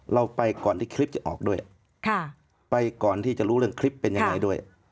เราไปก่อนที่คลิปจะออกด้วยไปก่อนที่จะรู้เรื่องคลิปเป็นยังไงด้วย